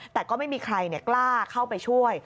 แต่ก็ไม่มีใครกล้าเข้าไปช่วย